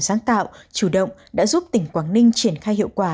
sáng tạo chủ động đã giúp tỉnh quảng ninh triển khai hiệu quả